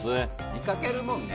見かけるもんね。